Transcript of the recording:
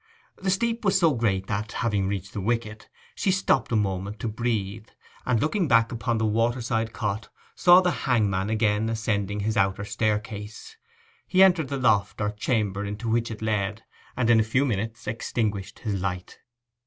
The steep was so great that, having reached the wicket, she stopped a moment to breathe; and, looking back upon the water side cot, saw the hangman again ascending his outdoor staircase. He entered the loft or chamber to which it led, and in a few minutes extinguished his light.